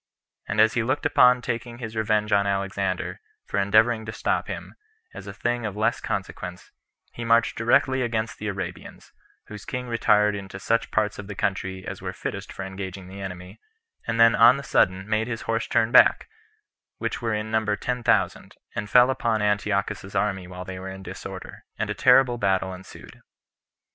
And as he looked upon taking his revenge on Alexander, for endeavoring to stop him, as a thing of less consequence, he marched directly against the Arabians, whose king retired into such parts of the country as were fittest for engaging the enemy, and then on the sudden made his horse turn back, which were in number ten thousand, and fell upon Antiochus's army while they were in disorder, and a terrible battle ensued.